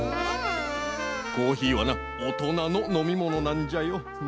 コーヒーはなおとなののみものなんじゃよ。